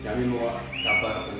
tetapi laila menghilang sejauh ini